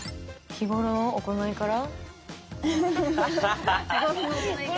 日頃の行いから？